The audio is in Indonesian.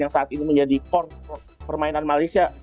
yang saat ini menjadi court permainan malaysia